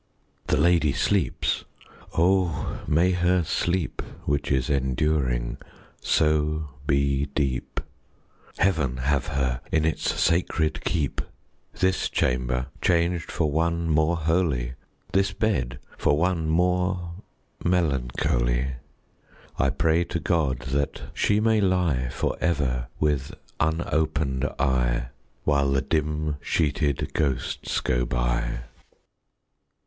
The lady sleeps! Oh, may her sleep Which is enduring, so be deep! Heaven have her in its sacred keep! This chamber changed for one more holy, This bed for one more melancholy, I pray to God that she may lie For ever with unopened eye, While the dim sheeted ghosts go by!